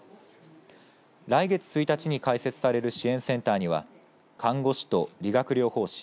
来月１日に開設される支援センターには看護師と医学療法士